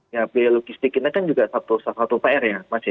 ya biaya logistik ini kan juga satu pr ya mas ya